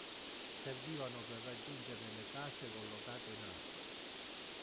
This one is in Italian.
Servivano per raggiungere le case collocate in alto.